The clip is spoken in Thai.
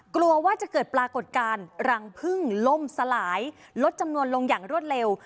กลัวว่าจะเกิดปรากฏการณ์รังพึ่งล่มสลายลดจำนวนลงอย่างรวดเร็ว